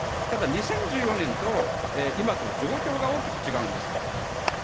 ただ２０１４年と今とは状況が大きく違うんです。